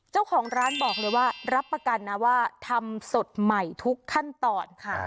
เจ้าของร้านบอกเลยว่ารับประกันนะว่าทำสดใหม่ทุกขั้นตอนค่ะ